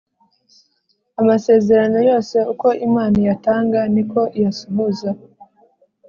amasezerano yose uko Imana iyatanga niko iyasohoza